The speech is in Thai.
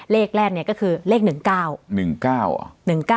เลขแรกนี่ก็คือเลข๑๙